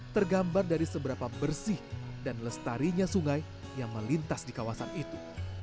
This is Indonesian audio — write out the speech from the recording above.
tergambar dari seberapa bersih dan lestarinya sungai yang melintas di kawasan itu